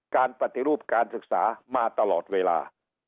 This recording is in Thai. การปฏิรูปการศึกษามาตลอดเวลา